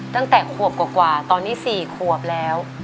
ตั้งแต่ขวบกว่าตอนนี้๔ขวบแล้ว